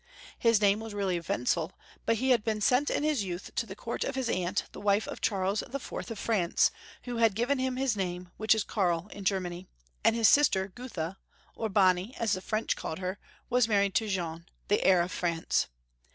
His name was really Wen zel, but he had been sent in his youth to the court of his aimt, the wife of Charles IV. of France, who had given him his name, which is Kaii in Germany, and his sister Gutha, or Bonne, as the French called her, was married to Jean, the heir of France.